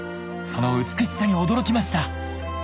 その美しさに驚きました